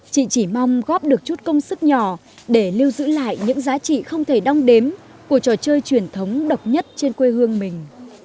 chị chỉ mong góp được chút công sức nhỏ để lưu giữ lại những giá trị không thể đong đếm của trò chơi truyền thống độc nhất trên quê hương mình